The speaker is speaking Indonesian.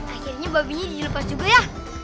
akhirnya babinya dilepas juga ya